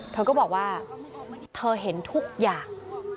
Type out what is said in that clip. เธอก็บอกว่าเธอเห็นทุกอย่าง